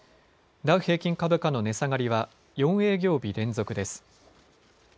ダウ平均株価の値下がりは４営業日連続です。